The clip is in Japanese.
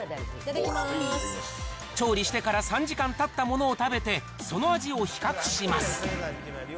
調理してから３時間たったものを食べて、その味を比較します。